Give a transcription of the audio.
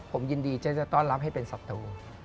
ผมยินดีจะต้อนรับให้เป็นศัตรู